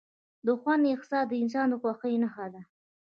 د خوند احساس د انسان د خوښۍ نښه ده.